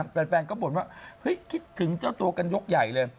แฟนก็บ่นว่าเฮ้ยคิดถึงเจ้าตัวกันยกใหญ่เลย